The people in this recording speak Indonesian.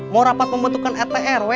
mau rapat pembentukan rt rw